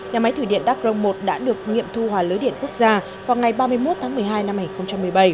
nhà máy thủy điện đắk rồng một đã được nghiệm thu hòa lưới điện quốc gia vào ngày ba mươi một tháng một mươi hai năm hai nghìn một mươi bảy